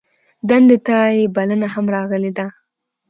دندې ته یې بلنه هم راغلې ده.